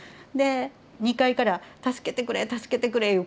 で２階から「助けてくれ助けてくれ」